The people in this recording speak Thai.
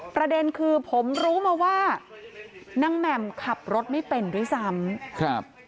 ประเด็นคือผมรู้มาว่านางแหม่มขับรถไม่เป็นด้วยซ้ำครับ